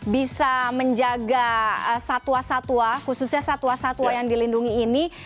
bisa menjaga satwa satwa khususnya satwa satwa yang dilindungi ini